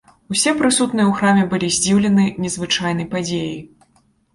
Усе прысутныя ў храме былі здзіўлены незвычайнай падзеяй.